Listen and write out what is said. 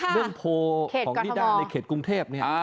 เรื่องโพลของนิดาในเขตกรุงเทพเนี่ย